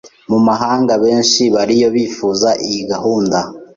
Mu mahanga benshi bariyo bifuza iyi gahunda